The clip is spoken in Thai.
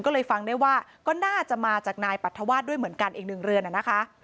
ก็เลยฟังได้ว่าก็น่าจะมาจากนายปรัฐวาสด้วยเหมือนกันอีกหนึ่งเรือนนะคะ